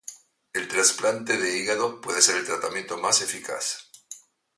El trasplante de hígado puede ser el tratamiento más eficaz.